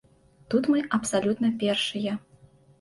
Тут мы абсалютна першыя.